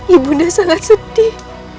ibu nanda sangat sedih